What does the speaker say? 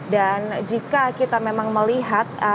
dan jika kita memang melihat